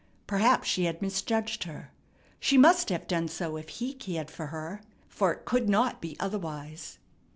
Perhaps she had misjudged her. She must have done so if he cared for her, for it could not be otherwise.